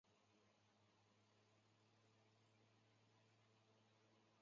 内布拉斯加州第二国会选区全部及萨皮郡郊区。